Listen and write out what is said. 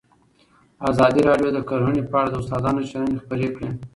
ازادي راډیو د کرهنه په اړه د استادانو شننې خپرې کړي.